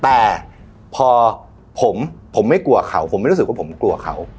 แต่พอผมไม่กลัวเขาผมไม่รู้สึกว่าผมกลัวเขา